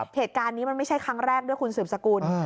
เหตุการณ์นี้มันไม่ใช่ครั้งแรกด้วยคุณสืบสกุล